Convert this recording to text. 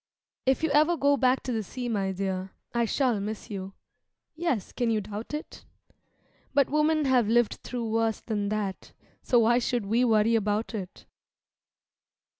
If you ever go back to the sea, my dear, j I shall miss you — ^yes, can you doubt it? ' But women have lived through worse than that i So why should we worry about it?